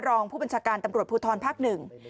รองผู้บัญชาการตำรวจภูทรภาคหนึ่ง